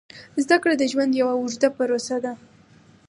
زده کړه د ژوند یوه اوږده پروسه ده.